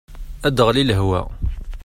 Ad aɣli lehwa.